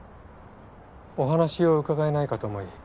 お話を伺えないかと思い。